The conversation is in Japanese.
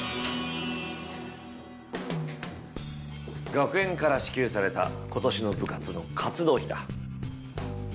学園から支給された今年の部活の活動費だ。